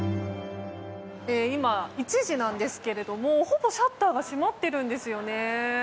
今、１時なんですがほぼシャッターが閉まっているんですよね。